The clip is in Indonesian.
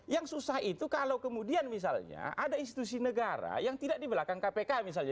yang susah itu kalau kemudian misalnya ada institusi negara yang tidak di belakang kpk misalnya